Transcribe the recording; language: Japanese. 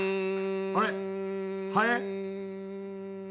あれっハエ？